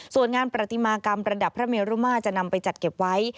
ส่วนงานประติมากรรมระดับพระเมรุมาจะนำไปจัดเก็บไว้